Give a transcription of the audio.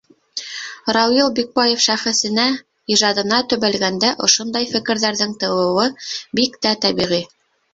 Рауил Бикбаев шәхесенә, ижадына төбәлгәндә ошондай фекерҙәрҙең тыуыуы бик тә тәбиғи.